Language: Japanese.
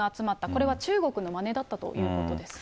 これは中国のまねだったということです。